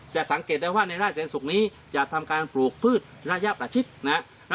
สังเกตได้ว่าในราชแสนศุกร์นี้จะทำการปลูกพืชระยะประชิดนะครับ